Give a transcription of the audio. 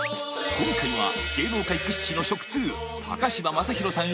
今回は芸能界屈指の食通嶋政宏さん